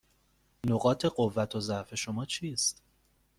نقاط قوت و ضعف شما چیست؟